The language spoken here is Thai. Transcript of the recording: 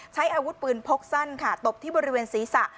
ใช้อาวุธปืนพกสั้นค่ะตบที่บริเวณศีรษะ